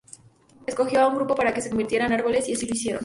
Escogió a un grupo para que se convirtieran en árboles y así lo hicieron.